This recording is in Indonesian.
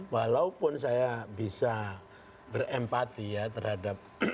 walaupun saya bisa berempati ya terhadap